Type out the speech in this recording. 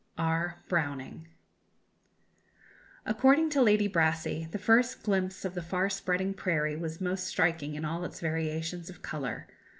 (R. Browning.) According to Lady Brassey, the first glimpse of the far spreading prairie was most striking in all its variations of colour.